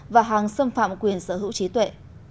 và hàng xâm phạm quyền sở hữu trí tuệ